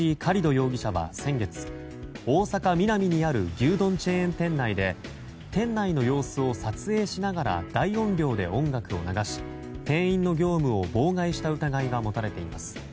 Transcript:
容疑者は先月、大阪・ミナミにある牛丼チェーン店内で店内の様子を撮影しながら大音量で音楽を流し店員の業務を妨害した疑いが持たれています。